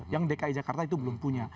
yang dki jakarta itu belum punya